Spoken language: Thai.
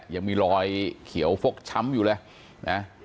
ยังมีรอยเขียวฟกช้ำอยู่เลยนะ